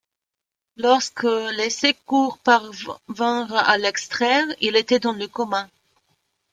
Lorsque les secours parvinrent à l’extraire, il était dans le coma.